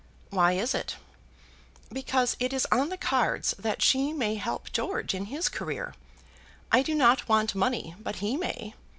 "Why is it?" "Because it is on the cards that she may help George in his career. I do not want money, but he may.